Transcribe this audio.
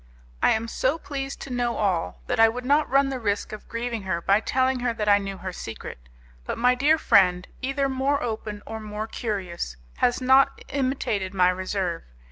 I am so pleased to know all that I would not run the risk of grieving her by telling her that I knew her secret, but my dear friend, either more open or more curious, has not imitated my reserve.